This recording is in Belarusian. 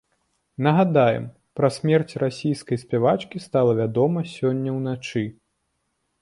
Нагадаем, пра смерць расійскай спявачкі стала вядома сёння ўначы.